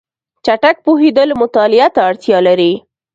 چټک پوهېدل مطالعه ته اړتیا لري.